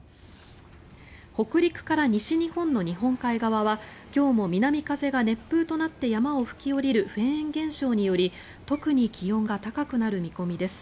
北陸から西日本の日本海側は今日も南風が熱風となって山を吹き下りるフェーン現象により特に気温が高くなる見込みです。